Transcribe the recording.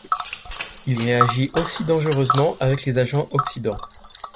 Il réagit aussi dangereusement avec les agents oxydants.